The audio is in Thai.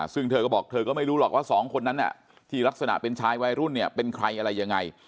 ซึ่งเธอก็บอกเธอก็ไม่รู้หรอกว่าสองคนนั้นที่ลักษณะเป็นชายวัยรุ่นเนี่ยเป็นใครอะไรยังไง